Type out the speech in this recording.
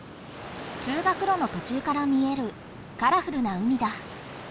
通学ろのとちゅうから見えるカラフルな海だ。